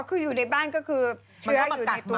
อ๋อคืออยู่ในบ้านก็คือเชื้ออยู่ในตัว